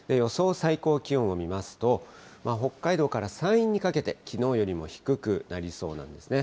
最高気温を見ますと、北海道から山陰にかけて、きのうよりも低くなりそうなんですね。